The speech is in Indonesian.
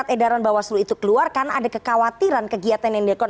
karena ada kekhawatiran kegiatan yang diakui